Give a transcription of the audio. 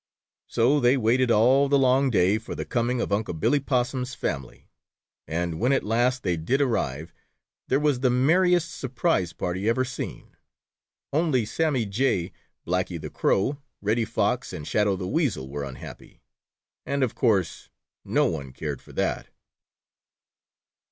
So they waited all the long day for the coming of Unc' Billy Possum's family, and when at last they did arrive, there was the merriest surprise party ever seen. Only Sammy Jay, Blacky the Crow, Reddy Fox and Shadow the Weasel were unhappy, and of course no one cared for that.